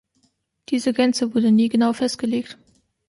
Diese Grenze wurde nie genau festgelegt.